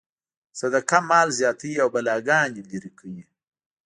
صدقه مال زیاتوي او بلاګانې لرې کوي.